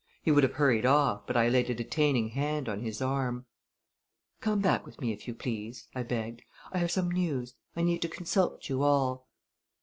He would have hurried off, but I laid a detaining hand on his arm. "Come back with me, if you please," I begged. "I have some news. I need to consult you all."